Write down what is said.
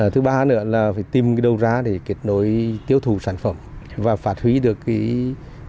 thứ ba nữa là tìm đâu ra để kết nối tiêu thụ sản phẩm và phát huy được hiệu quả của sàn thương mại điện tử